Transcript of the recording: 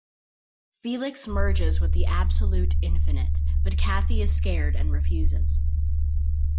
Felix merges with the Absolute Infinite, but Kathy is scared and refuses.